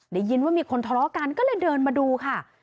ได้ยินว่ามีคนทะเลาะกันก็เลยเดินมาดูค่ะ